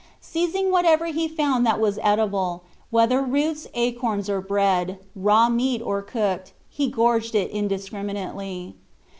Seizing whatever he found that was eatable, whether roots, acorns, or bread, raw meat or cooked, he gorged it indiscriminately.